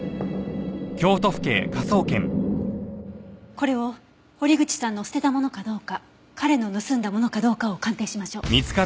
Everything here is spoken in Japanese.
これを堀口さんの捨てたものかどうか彼の盗んだものかどうかを鑑定しましょう。